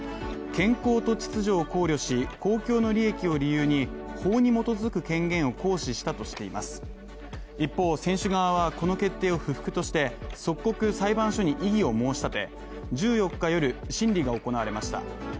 健康と秩序を考慮し、公共の利益を理由に、法に基づく権限を行使したとしています一方、選手側はこの決定を不服として、即刻裁判所に異議を申し立て１４日夜、審理が行われました。